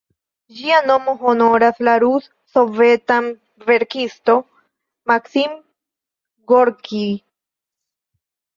Ĝia nomo honoras la rus-sovetan verkiston Maksim Gorkij.